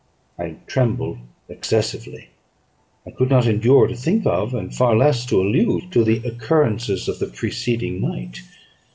I trembled excessively; I could not endure to think of, and far less to allude to, the occurrences of the preceding night.